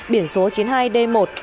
biển số chín mươi hai d một